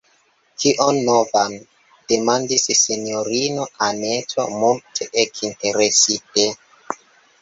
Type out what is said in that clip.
« Kion novan? » demandis sinjorino Anneto multe ekinteresite.